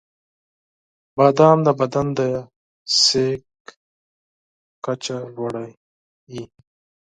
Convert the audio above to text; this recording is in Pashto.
• بادام د بدن د انرژۍ کچه لوړه کوي.